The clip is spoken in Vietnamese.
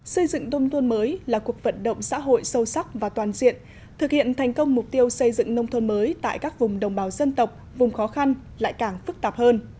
xây dựng nông thôn mới là cuộc vận động xã hội sâu sắc và toàn diện thực hiện thành công mục tiêu xây dựng nông thôn mới tại các vùng đồng bào dân tộc vùng khó khăn lại càng phức tạp hơn